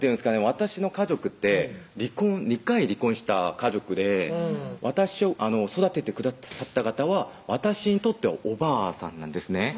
私の家族って２回離婚した家族で私を育ててくださった方は私にとってはおばあさんなんですね